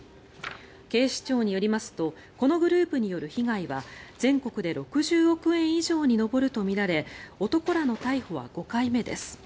警視庁によりますとこのグループによる被害は全国で６０億円以上に上るとみられ男らの逮捕は５回目です。